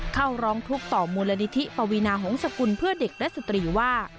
เข้าร้องทุกข์ต่อมูลนิธิปวีนาหงษกุลเพื่อเด็กและสตรีว่า